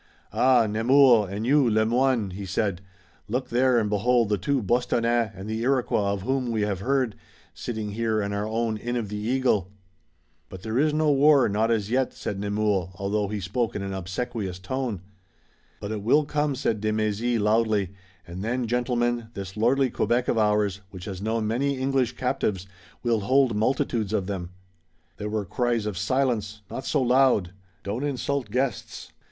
"Ah, Nemours, and you, Le Moyne," he said, "look there and behold the two Bostonnais and the Iroquois of whom we have heard, sitting here in our own Inn of the Eagle!" "But there is no war, not as yet," said Nemours, although he spoke in an obsequious tone. "But it will come," said de Mézy loudly, "and then, gentlemen, this lordly Quebec of ours, which has known many English captives, will hold multitudes of them." There were cries of "Silence!" "Not so loud!" "Don't insult guests!"